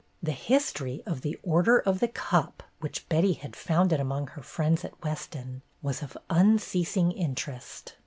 The history of The Order of The Cup, which Betty had founded among her friends at Weston, was of unceas ing interest.